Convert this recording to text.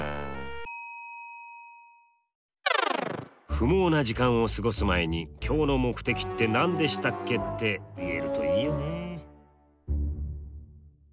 不毛な時間を過ごす前に「今日の目的って何でしたっけ？」って言えるといいよね。